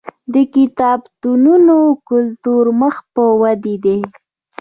د کتابتونونو کلتور مخ په ودې دی.